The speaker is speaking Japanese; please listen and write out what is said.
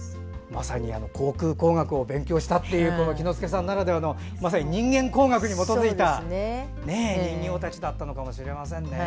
まさに航空工学を勉強したという喜之助さんならではの人間工学に基づいた人形たちだったのかもしれません。